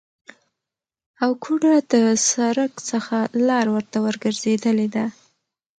او گوډه د سرک څخه لار ورته ورگرځیدلې ده،